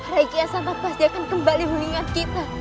reiki asal nampas dia akan kembali mengingat kita